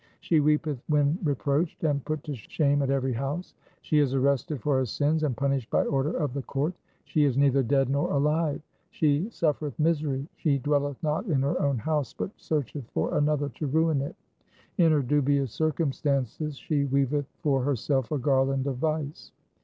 She weepeth when reproached and put to shame at every house. She is arrested for her sins, and punished by order of the court. She is neither dead nor alive, she suffereth misery ; she dwelleth not in her own house but searcheth for another 1 XX. 2 V. 252 THE SIKH RELIGION to ruin it. In her dubious circumstances she weaveth for herself a garland of vice.